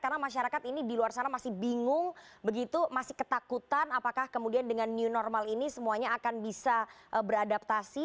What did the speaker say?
karena masyarakat ini di luar sana masih bingung begitu masih ketakutan apakah kemudian dengan new normal ini semuanya akan bisa beradaptasi